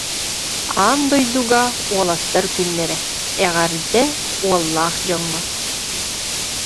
Аан дойдуга уолаттар күннэрэ. Эҕэрдэ уоллаах дьоҥҥо!